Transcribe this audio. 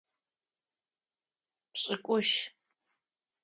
Пшӏыкӏущы.